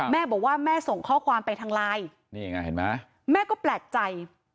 แม่บอกว่าแม่ส่งข้อความไปทางไลน์แม่ก็แปลกใจ